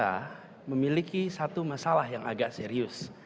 kita memiliki satu masalah yang agak serius